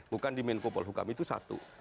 bukan di menkopol hukam itu satu